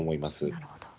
なるほど。